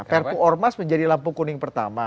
perpu ormas menjadi lampu kuning pertama